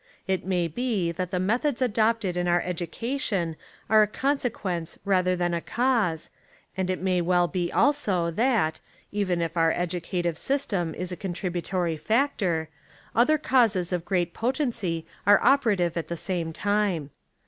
It may be that the methods adopted in our education are a consequence rather than a cause, and it may well be also that, even if our educative system Is a contributory factor, other causes of great potency are operative at the same time.